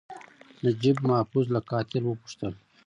نجیب محفوظ له قاتل وپوښتل.